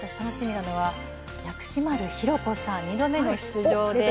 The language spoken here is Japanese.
薬師丸ひろ子さんは２度目の出場。